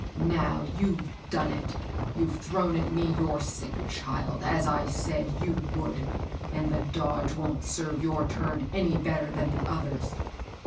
Now you've done it, — youVe thrown at me your sick child, as I said you would ; and the dodge wont serve your turn any better than the others.